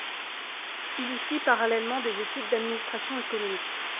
Il y suit parallèlement des études d'administration économique.